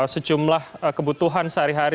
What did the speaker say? sejumlah kebutuhan sehari hari